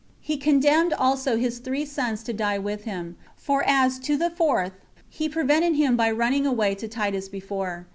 He condemned also his three sons to die with him; for as to the fourth, he prevented him by running away to Titus before.